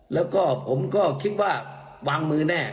แล้วก็ผมก็คิดว่าวางมือแน่